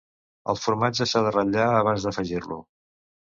El formatge s'ha de ratllar abans d'afegir-lo.